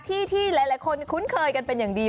ที่ที่หลายคนคุ้นเคยกันเป็นอย่างดี